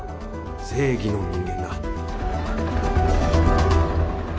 正義の人間だ